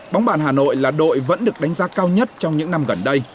bóng bàn hà nội là đội vẫn được đánh giá cao nhất trong những năm gần đây